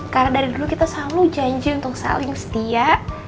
karena dari dulu kita selalu janji untuk saling setia